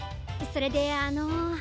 それであの。